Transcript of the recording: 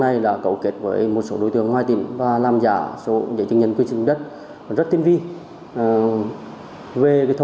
gây ra nhiều hệ lụy cho các gia đình